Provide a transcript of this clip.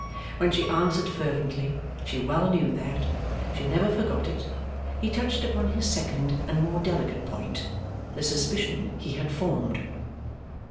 When she answered fervently, she well knew that, she never forgot it, he touched upon his second and more delicate point the suspicion he had formed.